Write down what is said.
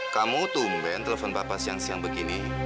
kamu tumben telepon bapak siang siang begini